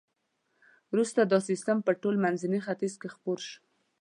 وروسته دا سیستم په ټول منځني ختیځ کې خپور شو.